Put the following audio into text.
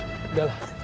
itu kan namanya serakah